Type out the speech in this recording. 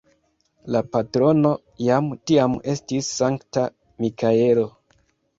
La patrono jam tiam estis Sankta Mikaelo.